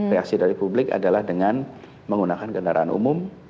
reaksi dari publik adalah dengan menggunakan kendaraan umum